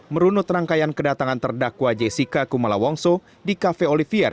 merunut rangkaian kedatangan terdakwa jessica kumala wongso di cafe olivier